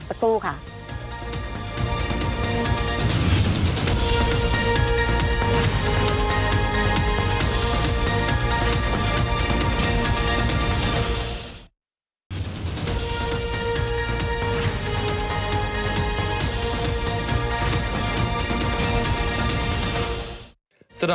สักครู่ค่ะ